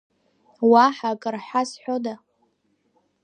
Уаҳа акыр ҳазҳәода?